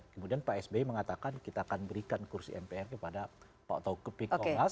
kemudian pak sby mengatakan kita akan berikan kursi mpr kepada pak taukepi komnas